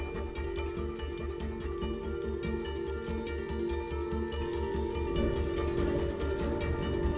sebelum menanggap keluar nelaskan